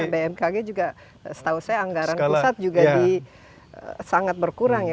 bmkg juga setahu saya anggaran pusat juga sangat berkurang ya